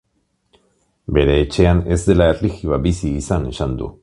Bere etxean ez dela erlijioa bizi izan esan du.